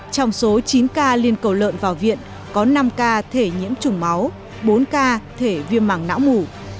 trong số chín ca liền cầu lợn vào viện có năm ca thể nhiễm chủng máu bốn ca thể viêm mẳng não mủ